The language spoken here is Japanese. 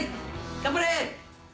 頑張れ！